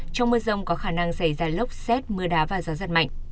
trong mưa rông có khả năng xảy ra lốc xét mưa đá và gió giật mạnh